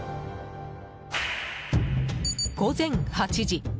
午前８時。